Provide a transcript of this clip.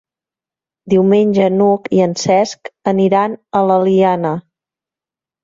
Diumenge n'Hug i en Cesc aniran a l'Eliana.